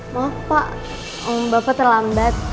maaf pak bapak terlambat